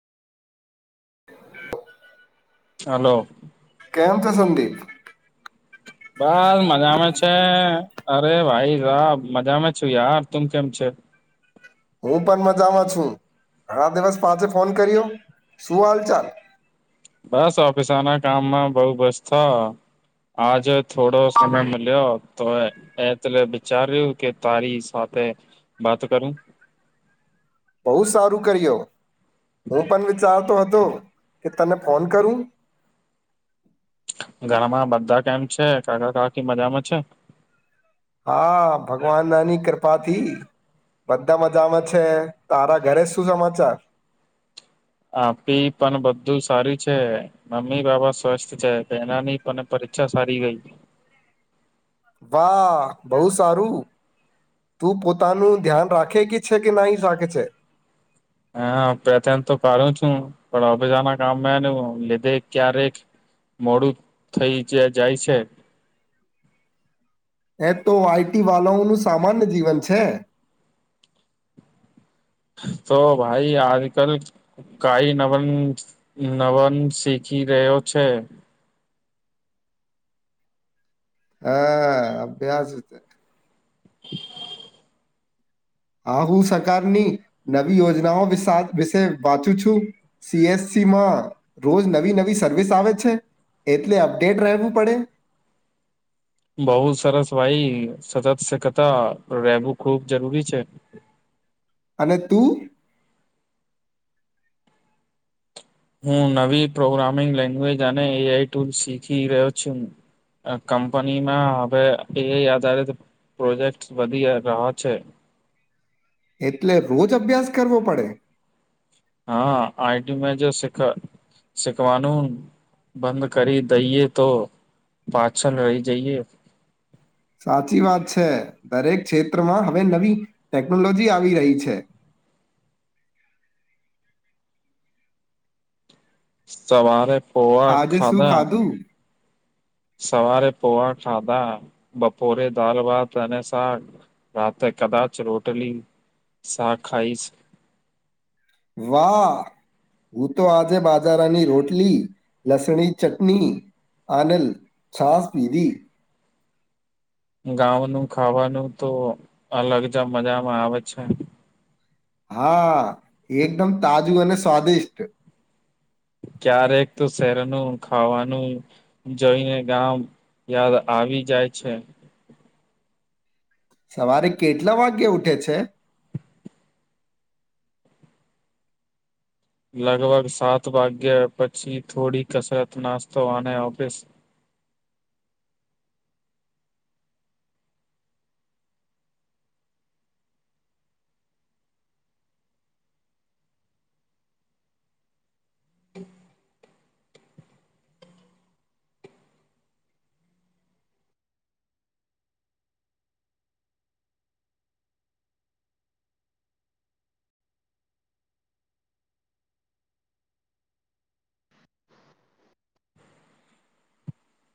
હાલો. કેમ છે સંદીપ. બસ મજામાં છે અરે ભાઈ સાબ મજામાં છું યાર તું કેમ છે? હું પણ મજામાં છું ઘણા દિવસ પાંચે ફોન કર્યો શું હાલ ચાલ? બસ ઓફિસના કામમાં બઉ બસ છ આજ થોડો સમય મળ્યો તો એ. એ તોલે વિચાર રહ્યું કે તારી સાથે વાત કરું. બહુ સારું કર્યો હું પણ વિચારતો હતો કે તને ફોન કરું. ઘરમાં બધા કેમ છે, કાકા કાકી મજામાં છે? હા ભગવાના ની કૃપાથી બધા મજામાં છે તારા ઘરે શું સમાચાર? આ પી પણ બધું સારું છે. મમ્મી બાપા સ્વસ્થ છે એનાની પણ પરીક્ષા સારી ગઈ. વાહ બહુ સારું. તું પોતાનું ધ્યાન રાખે કે છે કે નાઈ રાખે છે. હા પે તો કરું છું પણ અભેજા ના કામ લીધે ક્યારે. મોડું થઈ જ જાય છે. એમ તો આઈટી વાળાઓ નું સામાન્ય જીવન છે. તો ભાઈ આજ કલ. કઈ નવન નવન શીખી રહ્યો છે. હા અભ્યાસ. [unintelligible] હા હું સકારની નવી યોજનાઓ વિ વિશે વાંચું છું. સીએસી માં રોજ નવી નવી સર્વિસ આવે છે. એટલે અપડેટ રહેવું પડે. બઉુ સરસ ભાઈ સતત સકતા રહેવું ખુબ જરૂરી છે. અને તું. હું નવી પ્રોગ્રામિંગ લેંગ્વેજ અને એ આઈ ટુલ શીખી રહ્યો છું. કંપની માં હવે એ આધારિત. પ્રોજેક્ટ વધી રહ્યા છે. એટલે રોજ અભ્યાસ કરવો પડે. હા આઈટી મે જે સીખ સીખવાનું. બંધ કરી દઈએ તો પાછળ રહી જઈએ. સાચી વાત છે દરેક ક્ષેત્રમાં હવે નવી ટેકનોલોજી આવી રહી છે. સવારે પોવા આજે શું ખાધા. ખાધું સવારે પોહા ખાધા બપોરે દાલ ભાત અને શાક. રાતેે કદાચ રોટલી શા ખાઈશ. વાહ. હું તો આજે બાજારાની રોટલી લસણી ચટણી. અનલ છાશ પીઘી. ગાંવ નુ ખાવાનું તો અલગ જ મજામાં આવે છે. હા એકદમ તાજું અને સ્વાદિષ્ટ. ક્યારેક તો શહેરનું ખાવાનું. જોઈને ગામ યાદ આવી જાય છે. સવારે કેટલા વાગ્યે ઉઠે છે. લગભગ સાત વાગ્યા પછી થોડી કસરત નાસ્તો આને ઓફિસ.